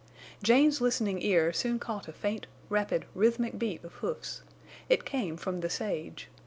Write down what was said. Jane's listening ear soon caught a faint, rapid, rhythmic beat of hoofs. It came from the sage.